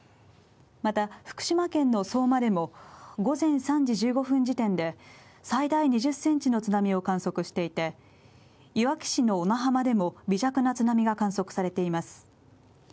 また、福島県の相馬でも午前３時１５分時点で最大２０センチの津波を観測していて、いわき市の小名浜でも微弱な津波が観測されています。